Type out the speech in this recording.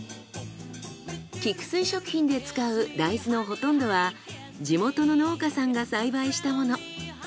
菊水食品で使う大豆のほとんどは地元の農家さんが栽培したもの。